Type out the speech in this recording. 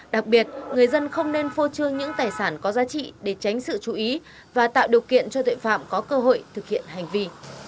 đặc biệt người dân không nên phô trương những tài sản có giá trị để tránh sự chú ý và tạo điều kiện cho tội phạm có cơ hội thực hiện hành vi